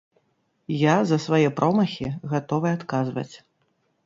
Я за свае промахі гатовы адказваць.